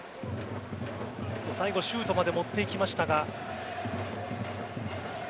最後シュートまで持っていきましたが。